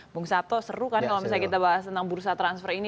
bung sabto seru kan kalau misalnya kita bahas tentang bursa transfer ini